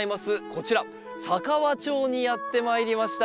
こちら佐川町にやってまいりました。